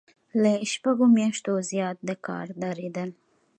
له شپږو میاشتو زیات د کار دریدل.